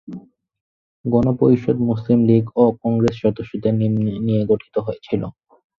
গণপরিষদ মুসলিম লীগ ও কংগ্রেস সদস্যদের নিয়ে গঠিত হয়েছিল।